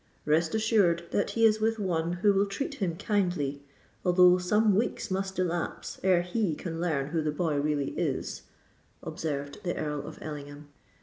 "Rest assured that he is with one who will treat him kindly, although some weeks must elapse ere he can learn who the boy really is," observed the Earl of Ellingham.